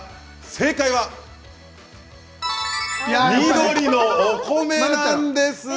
正解は緑のお米なんです。